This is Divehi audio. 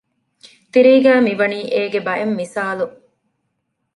ތިރީގައި މި ވަނީ އޭގެ ބައެއް މިސާލު